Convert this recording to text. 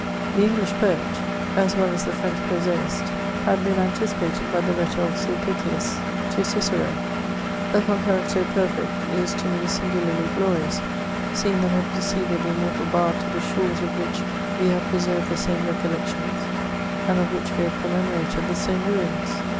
The English poet, as well as the French prosaist, had been antidpated by the letter of Sulpicius to Cicero — a concurrence so perfect is to me singularly glorious, seeing that I preceded the immortal bard to the shores of which we have preserved the same recollections, and of which we have commemorated the same ruins.